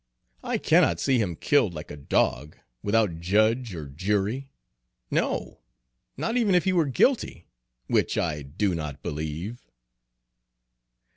I cannot see him killed like a dog, without judge or jury, no, not even if he were guilty, which I do not believe!"